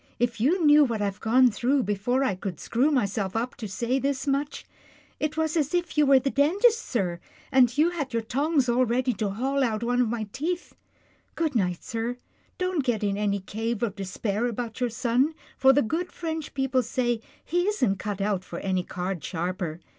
" If you knew what I've gone through, before I could screw my self up to say this much — it was as if you were the dentist, sir, and had your tongs all ready to haul out one of my teeth — good night, sir. Don't get in any cave of despair about your son, for the good French people say he isn't cut out for any card sharper.